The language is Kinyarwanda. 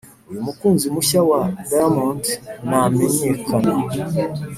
uyu mukunzi mushya wa diamond namenyekana